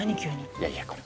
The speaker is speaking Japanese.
いやいやこれ。